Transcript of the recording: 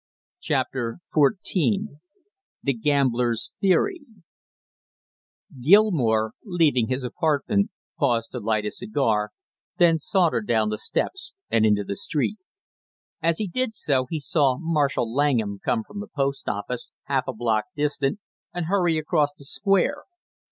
CHAPTER FOURTEEN THE GAMBLER'S THEORY Gilmore, leaving his apartment, paused to light a cigar, then sauntered down the steps and into the street. As he did so he saw Marshall Langham come from the post office, half a block distant, and hurry across the Square.